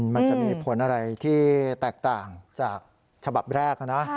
มันจะมีผลอะไรที่แตกต่างจากฉบับแรกนะ